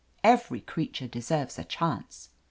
Every creature deserves a chance."